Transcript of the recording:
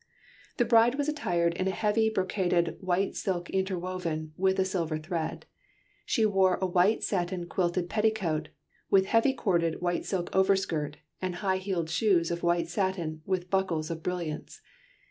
The bride was attired in heavy brocaded white silk inwoven with a silver thread. She wore a white satin quilted petticoat with heavy corded white silk over skirt, and high heeled shoes of white satin with buckles of brilliants.